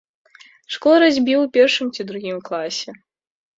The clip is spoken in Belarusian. Шкло разбіў у першым ці другім класе.